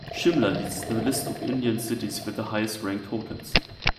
Shimla leads the list of Indian cities with the highest ranked hotels.